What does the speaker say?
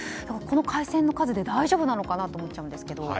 この回線の数で大丈夫なのかなと思っちゃうんですけど。